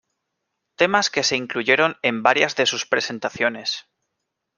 Temas que se incluyeron en varias de sus presentaciones.